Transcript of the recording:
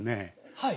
はい。